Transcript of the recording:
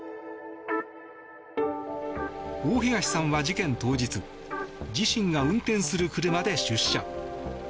大東さんは事件当日自身が運転する車で出社。